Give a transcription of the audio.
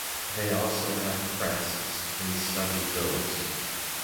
They also have crests and stubby bills.